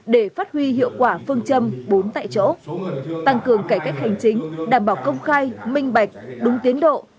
để phát huy hiệu quả phương châm bốn tại chỗ tăng cường cải cách hành chính đảm bảo công khai minh bạch đúng tiến độ